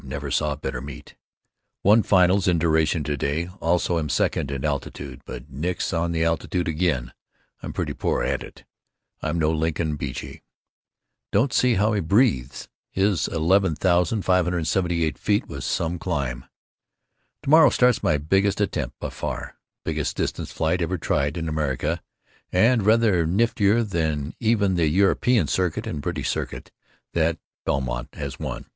Never saw better meet. Won finals in duration to day. Also am second in altitude, but nix on the altitude again, I'm pretty poor at it. I'm no Lincoln Beachey! Don't see how he breathes. His 11,578 ft. was some climb. Tomorrow starts my biggest attempt, by far; biggest distance flight ever tried in America, and rather niftier than even the European Circuit and British Circuit that Beaumont has won.